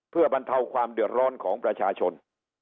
เพื่อบรรเทาความเดือดร้อนของประชาชน